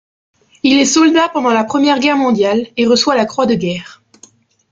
Il est soldat pendant la Première Guerre mondiale, et reçoit la Croix de guerre.